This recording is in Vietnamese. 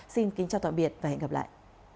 xin kính chào tạm biệt và hẹn gặp lại